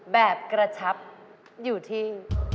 แบบกระชับอยู่ที่